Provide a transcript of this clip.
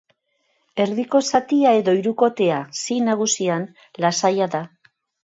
Erdiko zatia edo hirukotea, si nagusian, lasaia da.